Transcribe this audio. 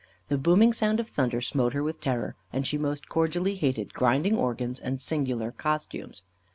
The booming sound of thunder smote her with terror, and she most cordially hated grinding organs and singular costumes.